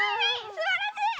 すばらしい！